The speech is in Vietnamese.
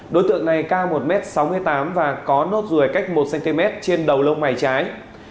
đối tượng này cao một m sáu mươi tám và có nốt ruồi cách một cm trên đầu lông mày trái